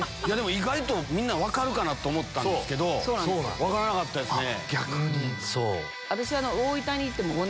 意外とみんな分かるかなと思ったんですけど分からなかったですね。